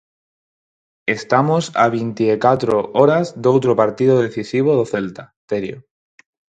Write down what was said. Estamos a vinte e catro horas doutro partido decisivo do Celta, Terio.